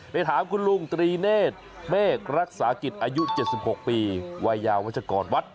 ไปถามคุณลุงตรีเนธเมฆรักษากิจอายุ๗๖ปีวัยยาวัชกรวัด